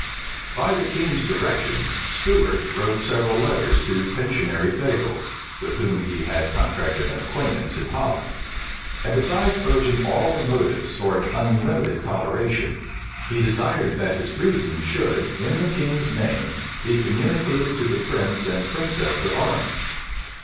By the king's directions, Stuart wrote several letters to Pensionary Fagel, with whom he had contracted an acquaintance in Holland; and besides urging all the motives for an unlimited toleration, he desired that his reasons should, in the king's name, be communicated to the prince and princess of Orange.